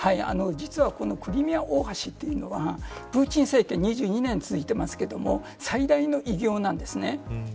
実はこのクリミア大橋というのはプーチン政権２２年続いてますけど最大の偉業なんですね。